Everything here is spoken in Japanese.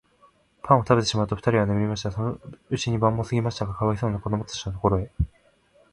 パンをたべてしまうと、ふたりは眠りました。そのうちに晩もすぎましたが、かわいそうなこどもたちのところへ、